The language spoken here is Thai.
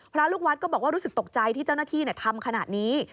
พระลูกวัดก็บอกว่ารู้สึกตกใจที่เจ้าหน้าที่ทำขนาดนี้